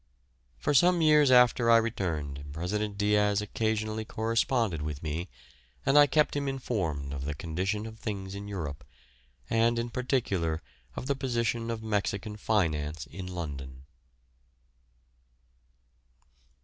For some years after I returned President Diaz occasionally corresponded with me, and I kept him informed of the condition of things in Europe, and in particular of the position of Mexican finance in London.